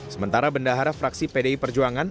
sementara bendahara fraksi pdi perjuangan